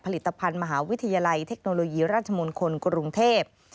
ผลิตภัณฑ์มหาวิทยาลัยเทคโนโลยีราชมงคลกรุงเทพ